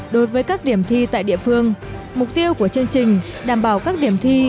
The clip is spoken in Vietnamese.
đối với các điểm thi tại địa phương mục tiêu của chương trình đảm bảo các điểm thi